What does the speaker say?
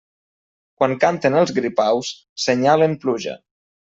Quan canten els gripaus, senyalen pluja.